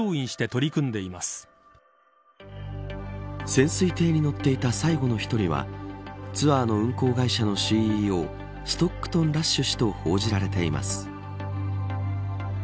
潜水艇に乗っていた最後の１人はツアーの運航会社のＣＥＯストックトン・ラッシュ氏と報じられています。